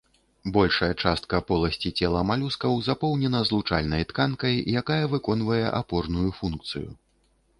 Большая частка поласці цела малюскаў запоўнена злучальнай тканкай, якая выконвае апорную функцыю.